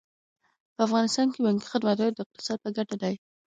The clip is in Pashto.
په افغانستان کې بانکي خدمتونه د اقتصاد په ګټه دي.